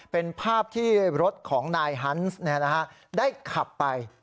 เป็นภาพที่รถของนายฮันส์ได้ขับไป